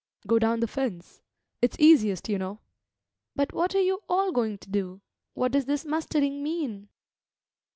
"Go down the fence; it's easiest, you know." "But what are you all going to do? What does this mustering mean?"